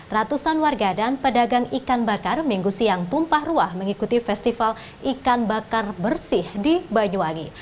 ratusan warga dan pedagang ikan bakar minggu siang tumpah ruah mengikuti festival ikan bakar bersih di banyuwangi